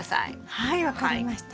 はい分かりました。